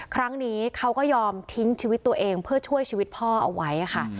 ครั้งนี้เขาก็ยอมทิ้งชีวิตตัวเองเพื่อช่วยชีวิตพ่อเอาไว้ค่ะ